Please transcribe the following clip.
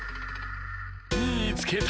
みいつけた！